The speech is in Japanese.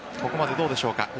ここまでどうでしょうか。